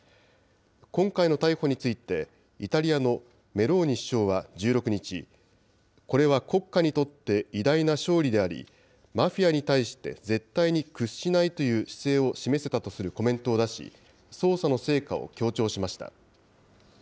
今回の逮捕について、イタリアのメローニ首相は１６日、これは国家にとって偉大な勝利であり、マフィアに対して絶対に屈しないという姿勢を示せたとするコメントを出し、捜査の成果を強調しました。